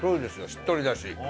しっとりだし。